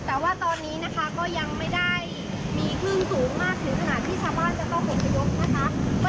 แต่ว่าตอนนี้นะคะก็ยังไม่ได้มีคลื่นสูงมากถึงขนาดที่ชาวบ้านจะต้องอบพยพนะคะ